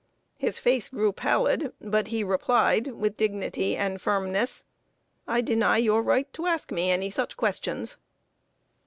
His face grew pallid, but he replied, with dignity and firmness: "I deny your right to ask me any such questions."